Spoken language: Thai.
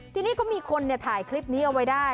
ทีนี้ก็มีคนถ่ายคลิปนี้เอาไว้ได้